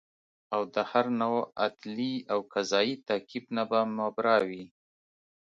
او د هر نوع عدلي او قضایي تعقیب نه به مبرا وي